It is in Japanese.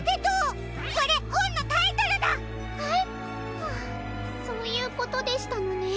はあそういうことでしたのね。